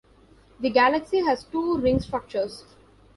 The galaxy has two ring structures.